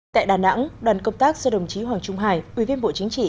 tại đà nẵng đoàn công tác do đồng chí hoàng trung hải ủy viên bộ chính trị